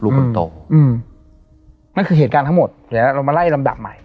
คนโตอืมนั่นคือเหตุการณ์ทั้งหมดเดี๋ยวเรามาไล่ลำดับใหม่